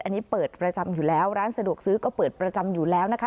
อันนี้เปิดประจำอยู่แล้วร้านสะดวกซื้อก็เปิดประจำอยู่แล้วนะคะ